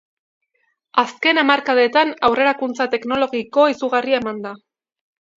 Azken hamarkadetan aurrerakuntza teknologiko izugarria eman da.